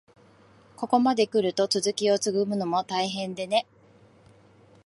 ここまでくると、続きをつむぐのも大変でね。